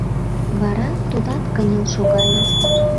Вара тудат кынел шогале.